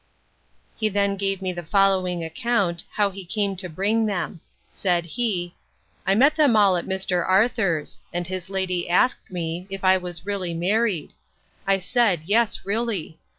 He then gave me the following account, how he came to bring them. Said he, 'I met them all at Mr. Arthur's; and his lady asked me, if I was really married? I said, Yes, really.